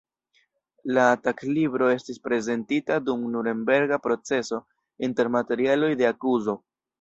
La taglibro estis prezentita dum Nurenberga proceso inter materialoj de akuzo.